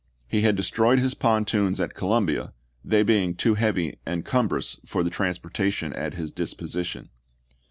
He had destroyed his pontoons at Columbia, they being too heavy and cumbrous for the transportation at his disposition.